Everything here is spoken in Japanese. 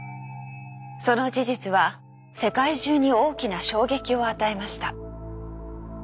その事実は世界中に大きな衝撃を与えました。